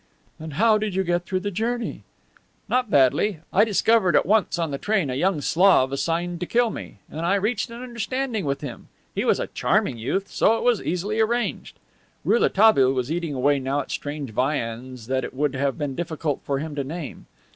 "And how did you get through the journey?" "Not badly. I discovered at once in the train a young Slav assigned to kill me, and I reached an understanding with him. He was a charming youth, so it was easily arranged." Rouletabille was eating away now at strange viands that it would have been difficult for him to name.